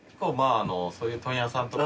そういう問屋さんとか。